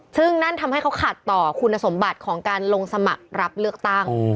ซึ่งนั่นทำให้เขาขัดต่อคุณสมบัติของการลงสมัครรับเลือกตั้ง